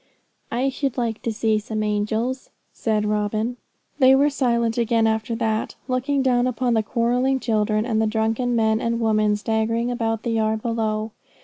'I should like to see some angels,' said Robin. They were silent again after that, looking down upon the quarrelling children, and the drunken men and women staggering about the yard below.